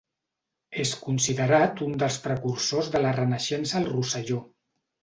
És considerat un dels precursors de la Renaixença al Rosselló.